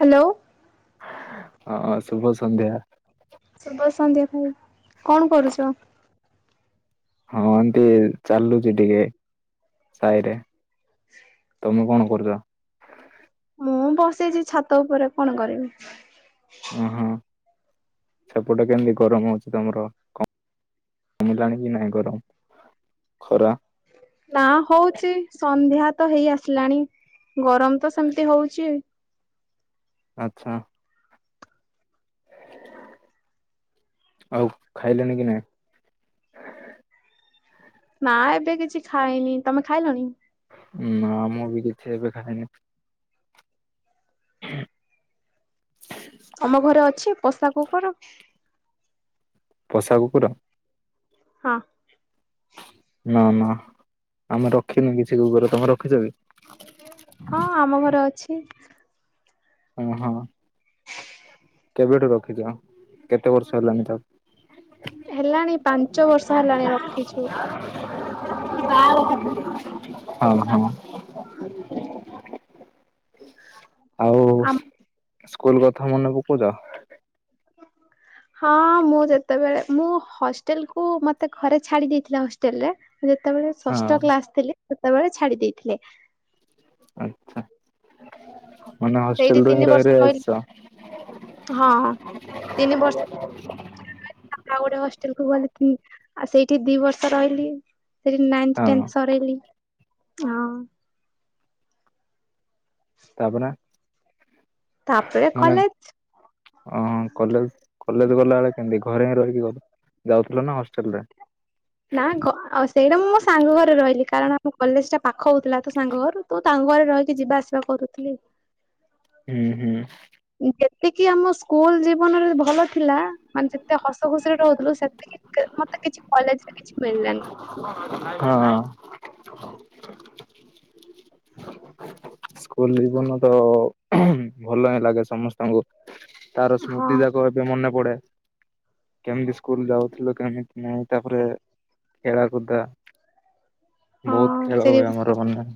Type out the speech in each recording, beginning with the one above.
Hello. ହଁ ଶୁଭ ସନ୍ଧ୍ୟା। ଶୁଭ ସନ୍ଧ୍ୟା ଭାଇ କଣ କରୁଛ? ହଁ ଏନତି ଚାଲୁଛି ଟିକେ ସାହିରେ। ତମେ କଣ କରୁଛ? ମୁଁ ବସିଛି ଛାତ ଉପରେ କଣ କରିବି। ଓହୋ ସେପଟ କେମିତି ଗରମ ହଉଛି ତମର କଣ? କମିଲାଣି କି ନାଇଁ ଗରମ ଖରା? ନା ହଉଚି ସନ୍ଧ୍ୟା ତ ହେଇ ଆସିଲାଣି। ଗରମ ତ ସେମିତି ହଉଛି। ଆଚ୍ଛା। ଆଉ ଖାଇଲେନି କି ନାଇଁ? ନା ଏବେ କିଛି ଖାଇନି ତମେ ଖାଇଲଣି? ନା ମୁଁ ବି କିଛି ଏବେ ଖାଇନି? ହ ତମ ଘରେ ଅଛି ପୋଷା କୁକୁର? ପୋଷା କୁକୁର। ହଁ। ନା ନା ଆମେ ରଖିନୁ କିଛି କୁକୁର ତମେ ରଖିଛ କି? ହଁ ଆମ ଘରେ ଅଛି। ହଁ ହଁ। କେବେଠୁ ରଖିଛି କେତେ ବର୍ଷ ହେଲାଣି ତାକୁ? ହେଲାଣି ପାଞ୍ଚ ବର୍ଷ ହେଲାଣି ରଖିଛୁ। ହଁ ହଁ। ଆଉ ଆମ ସ୍କୁଲ କଥା ମନେ ପକଉଚ? ହଁ ମୁଁ ଯେତେବେଳେ ମୁଁ ହଷ୍ଟେଲ କୁ ମତେ ଘରେ ଛାଡି ଦେଇଥିଲା ହଷ୍ଟେଲରେ ଯେତେବେଳେ ହଁ ଷଷ୍ଠ କ୍ଲାସ ଥିଲି ସେତେବେଳେ ଛାଡି ଦେଇଥିଲେ। ଆଚ୍ଛା ମାନେ ସେଇଠି ହଷ୍ଟେଲରୁ ହିଁ ତିନି ରହି ବର୍ଷ ରହି ଆସିଛ ରହିଲି ହଁ ତିନି ବର୍ଷ [unintelligible] ସେଇଠି ଦି ବର୍ଷ ରହିଲି ସେଠି ନାଇନ୍ ହଁ ଟେନ ସରେଇଲି। ହଁ। ତାପରେ? ତାପରେ କଲେଜ। ଓ ହଁ କଲେଜ କଲେଜ ଗଲାବଳେ କେମତି ଘରେ ହିଁ ରହିକି ଗଲ? ଯାଉଥିଲ ନା ହଷ୍ଟେଲରେ? ନା ଗ ଆଉ ସେଇଟା ମୁଁ ମୋ ସାଙ୍ଗ ଘରେ ରହିଲି କାରଣ ଆମ କଲେଜ ଟା ପାଖ ହଉଥିଲା ତ ସାଙ୍ଗ ଘରୁ ତ ତାଙ୍କ ଘରେ ରହିକି ଯିବା ଆସିବା କରୁଥିଲି। ହୁଁ ହୁଁ। ଯେତିକି ଆମ ସ୍କୁଲ ଜୀବନରେ ଭଲ ଥିଲା ମାନେ ଏତେ ହସ ଖୁସିରେ ରହୁଥିଲୁ ସେତିକି ମତେ କିଛି କଲେଜ ହଁ। ସ୍କୁଲ ଜୀବନ ତ ଭଲ ହିଁ ଲାଗେ ସମସ୍ତଙ୍କୁ। ତାର ହଁ। ସ୍ମୃତି ଯାକ ଏବେ ମନେ ପଡେ। କେମିତି ସ୍କୁଲ ଯାଉଥିଲ କେମିତି ନାହିଁ ତାପରେ ଖେଳାକୁଦା। ହଁ ବହୁତ ଖେଳ ସେଠି ହୁଏ ଆମର ମାନେ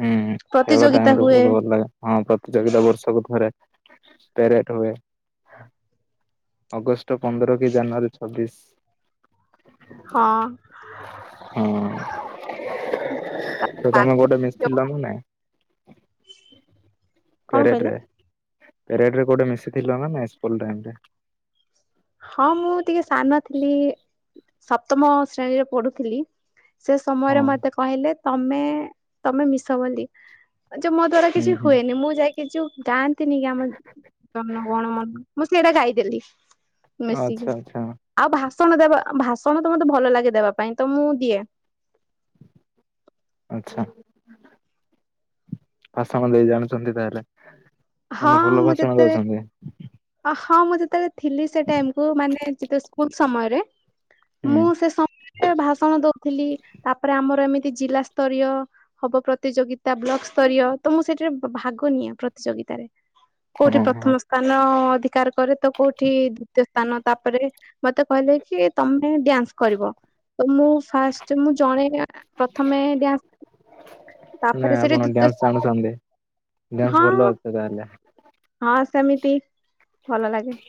ହୁଁ। ଖେଳ ପ୍ରତିଯୋଗିତା ଟାଇମରେ ହୁଏ ବହୁତ ଭଲ ଲାଗେ ହଁ ପ୍ରତିଯୋଗିତା ବର୍ଷକୁ ଥରେ। ପେରେଟ ହୁଏ ଅଗଷ୍ଟ। ପନ୍ଦର କି ଜାନୁଆରୀ ଛବିଶ। ହଁ। ହଁ ଅଁ ତ ତମେ ଗୋଟେ ମିସ ଥିଲ ନା ନାଇଁ? କଣ କହିଲେ ପେରେଟରେ। ପେରେଡ କୋଉଟେ ମିଶିଥିଲ ନା ନାଇଁ ସ୍କୁଲ ଟାଇମରେ? ହଁ ମୁଁ ଟିକେ ସାନ ଥିଲି ସପ୍ତମ ଶ୍ରେଣୀରେ ପଢୁଥିଲି। ସେ ହଁ ସମୟରେ ମତେ କହିଲେ ତମେ ତମେ ମିଶ ବୋଲି। ଯେ ମୋ ଦ୍ଵାରା ହୁଁ କିଛି ହୁଁ। ହୁଏନି ମୁଁ ଯାଇକି ଯୋଉ ଗାଆନ୍ତିନି କି ଆମ ଜନଗଣ ମନ ମୁଁ ସ୍କୁ ସେଟା ଗାଇଦେଲି ଆଚ୍ଛା ମିଶିକି ଆଚ୍ଛା ଆଉ ଭାସ ଭାଷଣ ତ ଦେବା ଭାଷଣ ତ ମତେ ଭଲ ଲାଗେ ଦେବା ପାଇଁ ତ ମୁଁ ଦିଏ। ଆଛା ଭାଷଣ ଦେଇ ଜାଣୁଛନ୍ତି ତାହେଲେ? ହଁ ମାନେ ଭଲ ମୁଁ ଭାଷଣ ଯେତେବେଳେ ଦଉଛନ୍ତି। ହଁ ମୁଁ ଯେତେବେଳେ ଥିଲି ସେ ଟାଇମ କୁ ମାନେ ସେଟା ସ୍କୁଲ ସମୟରେ ହୁଁ ମୁଁ ସେ ସମୟରେ ଭାଷଣ ଦଉଥିଲି। ତାପରେ ଆମର ଏମିତି ଜିଲ୍ଲା ସ୍ତରୀୟ ହବ ପ୍ରତିଯୋଗିତା ବ୍ଲକ ସ୍ତରୀୟ ତ ମୁଁ ସେଠିରେ ଭା ଭାଗନିଏ ପ୍ରତିଯୋଗିତାରେ। କୋଉଠି ହଁ ହଁ ପ୍ରଥମ ସ୍ଥାନ ଅଧିକାର କରେ ତ କୋଉଠି ଦ୍ଵିତୀୟ ସ୍ଥାନ ତାପରେ ମତେ କହିଲେ କି ତମେ ଡ୍ୟାନ୍ସ କରିବ ତ ମୁଁ ଫାଷ୍ଟ ମୁଁ ଜଣେ ପ୍ରଥମେ ଡ୍ୟାନ୍ସ ନାଇଁ ତାପରେ ସେଠି ଆପଣ ଦ୍ଵିତୀୟ ଡ୍ୟାନ୍ସ ଜାଣୁଛନ୍ତି ସ୍ଥାନ ଡ୍ୟାନ୍ସ ହଁ ଭଲ ଅଁ ଅଛି ତାହେଲେ। ହଁ ସେମିତି ଭଲ ଲାଗେ।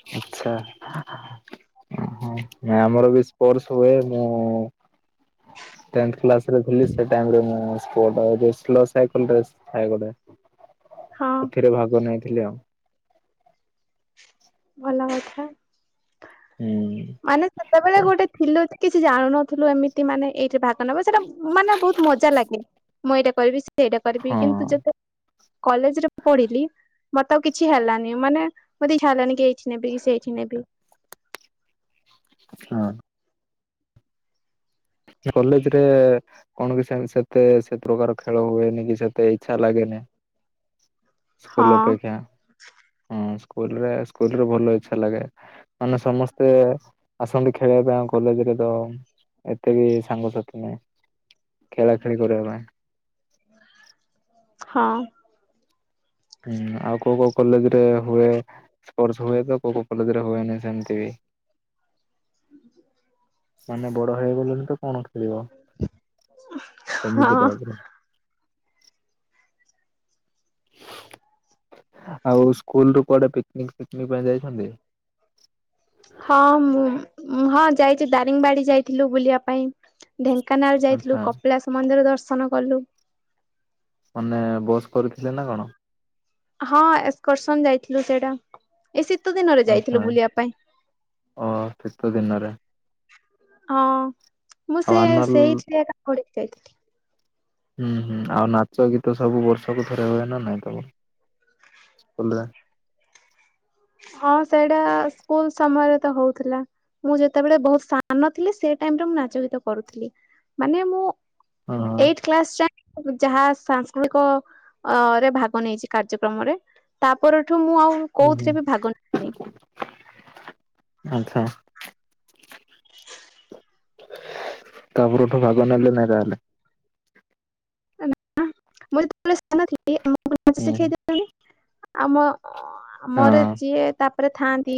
ଓ ଆମର ବି ସ୍ପୋର୍ସ ହୁଏ ମୁଁ ଉଁ ୍ ସେମ କ୍ଲାସରେ ଥିଲି ସେ ଟାଇମରେ ମୁଁ ସ୍ଲୋ ସାଇକେଲ ରେସ ଥାଏ ଗୋଟେ ହଁ ସେଥିରେ ଭାଗ ନେଇଛି। ଥିଲି ଆଉ। ଭଲ କଥା ହୁଁ ମାନେ ସେତେବେଳେ ଗୋଟେ ଥିଲ କିଛି ଜାଣୁ ନଥିଲୁ ଏମିତି ମାନେ ଏଇଠି ଭାଗ ନେବ ସେଟା ମାନେ ବହୁତ ମଜା ଲାଗେ ମୁଁ ଏଇଟା କରିବି ସେଇଟା କରିବି ହଁ କିନ୍ତୁ ଯେତେ କଲେଜ ରେ ମୁ ପଢିଲି ମତେ ଆଉ କିଛି ହେଲାନି ମାନେ ମତେ ଇଚ୍ଛା ହେଲାନି। ଏଇଠି ନେବି କି ସେଇଠି ନେବି। ହଁ, କଲେଜ ରେ କଣ କି ସେତେ ସେ ପ୍ରକାର ଖେଳ ହୁଏନି କି ସେତେ ଇଚ୍ଛା ଲାଗେନି। ସ୍କୁଲ ହଁ। ଅପେକ୍ଷା ହଁ, ସ୍କୁଲରେ ସ୍କୁଲରେ ଭଲ ଇଚ୍ଛା ଲାଗେ ମାନେ ସମସ୍ତେ ଆସନ୍ତି ଖେଳିବା ପାଇଁ ଆମ କଲେଜରେ ତ ଏତେ ବି ସାଙ୍ଗସାଥି ନାଇଁ ଖେଳା ଖେଳି କରିବା ପାଇଁ। ହଁ, ହୁଁ ଆଉ କୋଉ ବୋ କଲେଜରେ ହୁଏ ସ୍ପୋର୍ଟସ ହୁଏ ତ କଉକଉ କଲେଜରେ ହୁଏନି ସେମିତି [inaudible] ମାନେ ବଡ ହେଇଗଲେଣିି ତ କଣ ଖେଳିବ କେମିତି ହଁ ଯାଉଥିଲ [inaudible] ଆଉ ସ୍କୁଲ ରୁ କୁଆଡେ ପିକନିକ ଫିକନିକ ପାଇଁ ଯାଇଛନ୍ତି। ହଁ ମୁଁ ହଁ ଯାଇଛି ଦାରିଙ୍ଗିବାଡି ଯାଇଥିଲୁ ବୁଲିବା ପାଇଁ। ଢେଙ୍କାନାଳ ଯାଇଥିଲୁ ଆଚ୍ଛା କପିଳାସ ମନ୍ଦିର ଦର୍ଶନ କଲୁ। ମାନେ ବସ୍ କରିଥିଲେ ନା କଣ। ହଁ ଏକ୍ସକର୍ସନ ଯାଇଥିଲୁ ସେଟା। ଏ ଶୀତ ଦିନରେ ଆଚ୍ଛା ଯାଇଥିଲୁ ବୁଲିବା ପାଇଁ। ଓ ଶୀତ ଦିନରେ ହଁ ମୁଁ ଆଉ ସେ ଆନୁଆଲ ସେଇଥିରେ ପଡ଼ିକି ଯାଇଥିଲି। ହୁଁ ହୁଁ ଆଉ ନାଚ ଗୀତ ସବୁ ବର୍ଷକୁ ଥରେ ହୁଏ ନା ନାଇଁ ତମର। କଲେ। ହଁ ସେଇଟା ସ୍କୁଲ ସମୟରେ ତ ହଉଥିଲା। ମୁଁ ଯେତେବେଳେ ବହୁତ ସାନ ଥିଲି ସେ ଟାଇମରେ ମୁଁ ନାଚ ଗୀତ କରୁଥିଲି ମାନେ ମୁଁ ହଁ ଏଇଟ୍ କ୍ଲାସ ଯାଏ ଯାହା ସାଂସ୍କୃତିକ ରେ ଭାଗ ନେଇଛି କାର୍ଯ୍ୟକ୍ରମରେ ତାପର ଠୁ ମୁଁ ଆଉ ହୁଁ ହୁଁ କୋଉରେ ବି ଭାଗ ନେ ଆଚ୍ଛା ତାପରଠୁ ଭାଗ ନେଲେ ନାଇଁ ତାହେଲେ। ମୁଁ ଯେତେବେଳେ ସାନ ଥିଲି ଆ ହୁଁ ହୁଁ [unintelligible] ଆମ ମୋର ହଁ ଯିଏ ତାପରେ ଥାଆନ୍ତି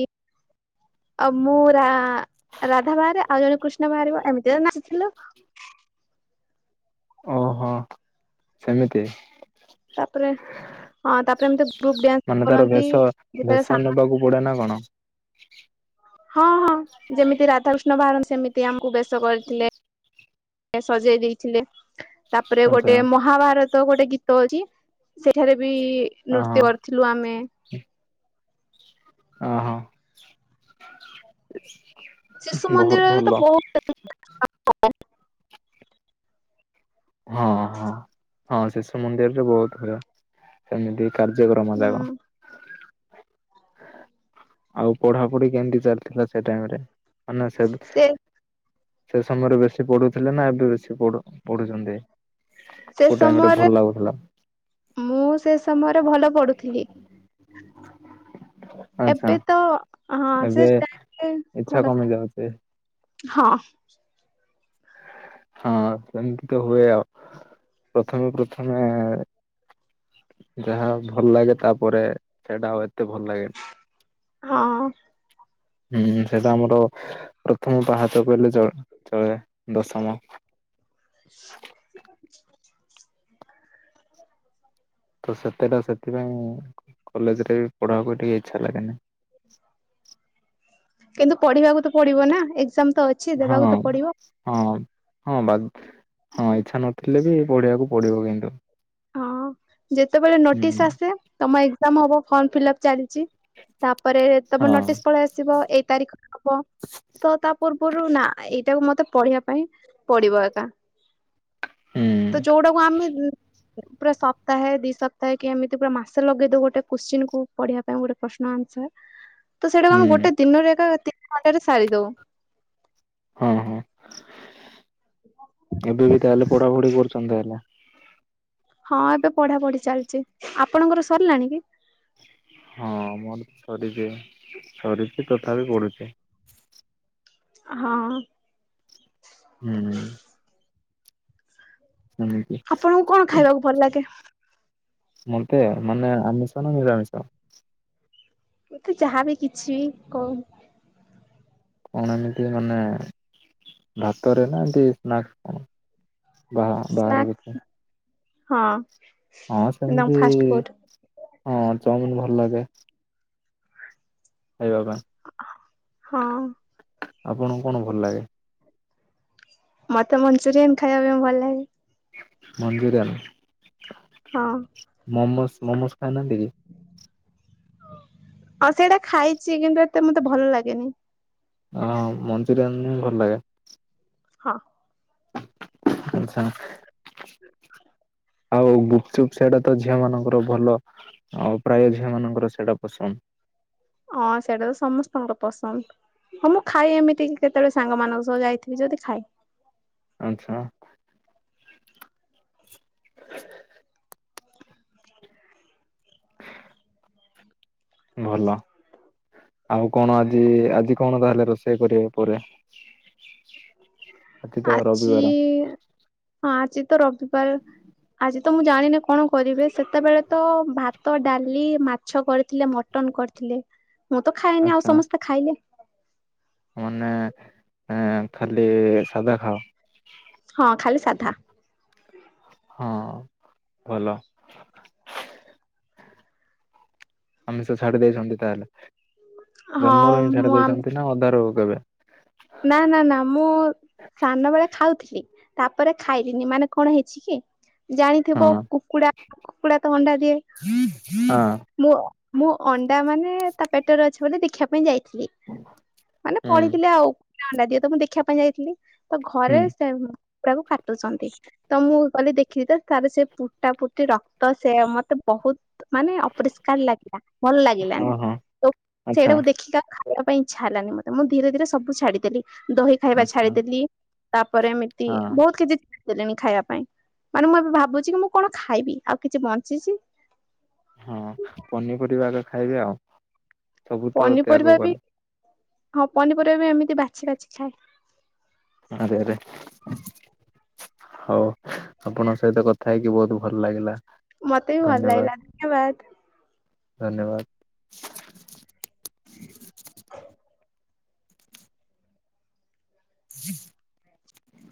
ଆ ମୁ ରା ରାଧା ବାହାରେ ଆଉ ଜଣେ କୃଷ୍ଣ ବାହାରିବ ଏମିତି ତ ନାଚିଥିଲୁ। ଓହୋ ସେମିତି। ତାପରେ ହଁ ତାପରେ ଏମିତି ଗ୍ରୁପ ଡ୍ୟାନ୍ସ ମାନେ ତାର କରନ୍ତି ଭେଷ ଯେତେବେଳେ ସା ଭେଷ ନେବାକୁ ପଡେ ନା କଣ? [inaudible] ହଁ ହଁ ଯେମିତି ରାଧାକୃଷ୍ଣ ବାହାରନ୍ତି ସେମିତି ଆମକୁ ବେଶ କରିଥିଲେ। ସଜେଇ ଦେଇଥିଲେ। ତାପରେ ଆଚ୍ଛା ଗୋଟେ ମହାଭାରତ ଗୋଟେ ଗୀତ ଅଛି ସେଠାରେ ବି ଅହଁ ନୃତ୍ୟ କରିଥିଲୁ ଆମେ। ହ ହୋ। ଶିଶୁ ମନ୍ଦିରରେ ତ ବହୁତ [unintelligible] ହଁ ହଁ ହଁ ଶିଶୁ ମନ୍ଦିରରେ ବହୁତ ଭଳିଆ ସେମିତି କାର୍ଯ୍ୟକ୍ରମ ହୁଁ ଯାକ ଆଉ ପଢାପଢି କେମତି ଚାଲିଥିଲା ସେ ଟାଇମରେ ମାନେ ସେ ସେ ସମୟରେ ବେଶୀ ପଢୁଥିଲେ ନା ଏବେ ବେଶୀ ପଢ଼ୁ ପଢୁଛନ୍ତି। ସେ କୋଉ ଟାଇମ ରେ ଭଲ ସମୟରେ ଲାଗୁଥିଲା ମୁଁ ସେ ସମୟରେ ଭଲ ପଢୁଥିଲି। [inaudible] ଆଚ୍ଛା ଏବେ ତ ହଁ ସେ ଏବେ ଟାଇମ ରେ ଇଚ୍ଛା ଭଲ କମି ଯାଉଛି ଥିଲି। ହଁ। ହଁ ସେମିତି ତ ହୁଏ ଆଉ ପ୍ରଥମେ ପ୍ରଥମେ ଯାହା ଭଲ ଲାଗେ ତାପରେ ସେଇଟା ଆଉ ଏତେ ଭଲ ଲାଗେନି। ହଁ। ହୁଁ ସେଇଟା ଆମର ପ୍ରଥମ ପାହାଚ କହିଲେ ଚଳେ। ଦଶମ। [inaudible] ତ ସେ ମତେଟ ସେଥିପାଇଁ କଲେଜରେ ପଢବାକୁ ଟିକେ ଇଚ୍ଛା ଲାଗେନି। କିନ୍ତୁ ପଢିବାକୁ ତ ପଡିବ ନା ଏ ହଁ ହଁ ହଁ ହଁ ଇଛା ନଥିଲେ ବି ପଢିବାକୁ ପଡିବ କିନ୍ତୁ। ହଁ ଯେତେବେଳେ ନୋଟିସ୍ ହୁଁ ଆସେ ତମ ଏକ୍ଜାମ ହବ ଫର୍ମ ଫିଲ୍ପ ଚାଲି ତାପରେ ତମର ହଁ ନୋଟିସ୍ ପଳେଇ ଆସିବ ଏଇ ତାରିଖରେ ହବ ତ ତା ପୁର୍ବରୁ ପୂରୁ ନା ଏଇଟାକୁ ମତେ ପଢିବା ପାଇଁ ପଡିବ ଏକା। ହୁଁ। ତ ଯୋଉଟାକୁ ଆମେ ପୁରା ସପ୍ତାହେ ଦି ସପ୍ତାେ କି ଏମିତି ପୁରା ମାସେ ଲଗେଇ ଦଉ ଗୋଟେ କୋଶ୍ଚି କୁ ପଢିବା ପାଇଁ ଗଟେ ପ୍ରଶ୍ନ ଆନସର ତ ସେଇଟାକୁ ହୁଁ ଆମେ ଗୋଟେ ଦିନରେ ଏକ ତିନି ଘଟରେ ସାରି ଦଉ। ହଁ ହଁ ଏବେ ବି ତାହେଲେ ପଢାପଢି କରୁଛନ୍ତି ତାହଲେ। ହଁ ଏବେ ପଢା ପଢି ଚାଲିଛି ଆପଣଙ୍କର ସରିଲାଣି କି? ହଁ ମୋର ସରିଛି ସରିଛି ତଥାପି ପଢୁଛି। ହଁ। ହୁଁ। ସେମିତି ଆପଣଙ୍କୁ କଣ ଖାଇବାକୁ ଭଲ ଲାଗେ? ମତେ ମାନେ ଆମିଷ ନା ନିରାମିଷ? ଏ ତେ ଯାହା ବି କିଛି କହୁ। କଣ ଏମିତି ମାନେ ଭାତରେ ନା ଏମିତି ସ୍ନାକ୍ସ କଣ? ବା ବାର ସ୍ନାକ୍ସ କେତେ? ହଁ। ହଁ ନା ସେମିତି ଫାଷ୍ଟ ଫୁଡ ହଁ ଚାଉମିିନ ଭଲ ଲାଗେ। ଖାଇବା ପାଇଁ। ହଁ। ଆପଣଙ୍କୁ କଣ ଭଲ ଲାଗେ? ମତେ ମଞ୍ଚୁରିଆନ ଖାଇବା ପାଇଁ ଭଲ ଲାଗେ। ମଞ୍ଜୁରିୟାନ। ହଁ। ମୋମୋସ୍ ମୋମୋସ୍ ଖାଉନାହାନ୍ତି କି? ଆଉ ସେଇଟା ଖାଇଛି କିନ୍ତୁ ଏତେ ମତେ ଭଲ ଲାଗେନି। ଅ ମଞ୍ଚୁରିଆନ ଭଲ ଲାଗେ? ହଁ। ଆଛା। ସେ ଆଉ ଗୁପ୍ ଚୁପ୍ ସେଇଟା ତ ଝିଅ ମାନଙ୍କର ଭଲ ଆଉ ପ୍ରାୟ ଝିଅମାନଙ୍କର ସେଇଟା ପସନ୍ଦ। ହ ହଁ ସେଇଟା ତ ସମସ୍ତଙ୍କର ପସନ୍ଦ। ହଁ ମୁଁ ଖାଏ ଏମିତି କି କେତେବେଳେ ସାଙ୍ଗମାନଙ୍କ ସହ ଯାଇଥିବି ଯଦି ଖାଏ। ଆଚ୍ଛା। ହ। ଭଲ। ଆଉ କଣ ଆଜି ଆଜି କଣ ତାହେଲେ ରୋଷେଇ କରିବ ପରେ? ତ ଆଜି ରବିବାର [unintelligible] ଆଜି ତ ରବିବାର ଆଜି ତ ମୁଁ ଜାଣିନି କଣ କରିବେ ସେତେବେଳେ ତ ଭାତ ଡାଲି ମାଛ କରିଥିଲେ ମଟନ କରିଥିଲେ। ମୁଁ ତ ଖାଏନି ଆଉ ଆଚ୍ଛା। ସମସ୍ତେ ଖାଇଲେ। ମାନେ ଏ ଖାଲି ସାଧା ଖାଅ? ହଁ ଖାଲି ସାଧା। ହଁ ଭଲ। ଆମିଷ ଛାଡି ଦେଇଛନ୍ତି ତାହେଲେ ହଁ ଜନ୍ମରୁ ହିଁ ଛାଡି ମୁଁ ଆମେ ଦେଇଛନ୍ତି ନା ଅଧାରୁ କେବେ? ନା ନା ନା ମୁଁ ସାନ ବେଳେ ଖାଉଥିଲି। ତାପରେ ଖାଇଲିନି ମାନେ କଣ ହେଇଛି କି? ଜାଣିଥିବ ହଁ କୁକୁଡ଼ା କୁକୁଡା ତ ଅଣ୍ଡା ଦିଏ ହଁ ମୁଅ ମୁଁ ଅଣ୍ଡା ମାନେ ତା ପେଟରେ ଅଛି ବୋଲି ଦେଖିବା ପାଇଁ ଯାଇଥିଲି ମାନେ ହୁଁ ପଲେଇଥିଲା ଆଉ। ନା ଅଣ୍ଡା ଦିଏ ତ ମୁଁ ଦେଖିବା ପାଇଁ ଯାଇଥିଲି ତ ହୁଁ ଘରେ ସେ କୁକୁଡ଼ା କାଟୁଛନ୍ତି ତ ମୁଁ ଗଲି ଦେଖିଲି ତ ସେ ପୁଟା ପୁଟି ରକ୍ତ ସେ ମତେ ବହୁତ ମାନେ ଅପରିଷ୍କାର ଲାଗିଲା ଭଲ ଲାଗିଲାନି ହଁ ହଁ ତ ଆଚ୍ଛା ସେଇଟାକୁ ଦେଖି ଆଉ ଖାଇ ତା ପାଇଁ ଇଛା ହେଲାନି ମତେ ମୁଁ ଧୀରେ ଧୀରେ ସବୁ ଛାଡିଦେଲି ଦହି ଖାଇବା ଆଚ୍ଛା ଛାଡିଦେଲି। ପରେ ଏମିତି ହଁ ବହୁତ କିଛି। ଦେଲେନି ଖାଇବା ପାଇଁ ମାନେ ମୁଁ ଏବେ ଭାବୁଛି କି ମୁଁ କଣ ଖାଇବି ଆଉ କିଛି ବଞ୍ଚିଚି। ହଁ ପନିପରିବା ଆଗ ଖାଇବେ ଆଉ ସବୁ ତ ପନିପରିବା ତ୍ୟାଗ ବି କଲେ। ହଁ ପନିପରିବା ବି ଏମିତି ବାଛି ବାଛି ଖାଏ। ଆରେ ଆରେ। ହଉ ଆପଣଙ୍କ ସହିତ କଥା ହେଇକି ବହୁତ ଭଲ ଲାଗିଲା। ମତେ ବି ଭଲ ଧନ୍ୟବାଦ ଲାଗିଲା ଧନ୍ୟବାଦ। ଧନ୍ୟବାଦ।